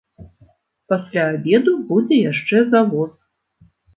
Пасля абеду будзе яшчэ завоз.